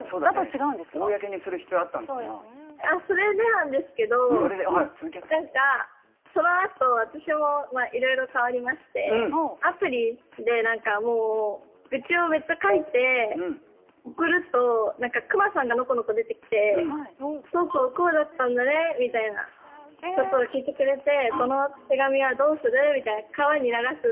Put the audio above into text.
それでなんですけど何かそのあと私もまあ色々変わりましてアプリで何かもう愚痴をめっちゃ書いて送ると何かクマさんがのこのこ出てきて「こうこうこうだったんだね」みたいなことを聞いてくれて「この手紙はどうする？」みたいな「川に流す？